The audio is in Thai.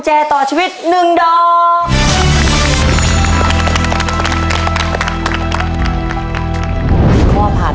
จังหวัดรายองครับ